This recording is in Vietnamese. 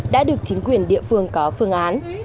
đã được chính quyền địa phương có phương án